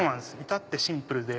至ってシンプルで。